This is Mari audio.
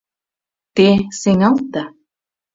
— Те сеҥалтда...